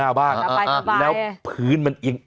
เพราะฉะนั้นเอามาฝากเตือนกันนะครับคุณผู้ชม